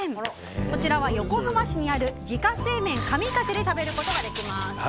こちらは横浜市にある自家製麺カミカゼで食べることができます。